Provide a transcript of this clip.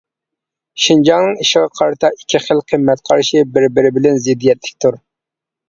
شىنجاڭنىڭ ئىشىغا قارىتا ئىككى خىل قىممەت قارىشى بىر بىرى بىلەن زىددىيەتلىكتۇر.